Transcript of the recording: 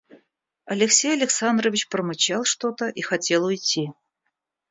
Алексей Александрович промычал что-то и хотел уйти.